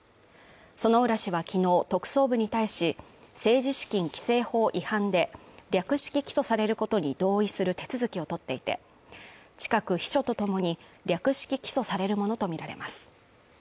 薗浦氏はきのう特捜部に対し政治資金規正法違反で略式起訴されることに同意する手続きを取っていて近く秘書とともに略式起訴されるものと見られます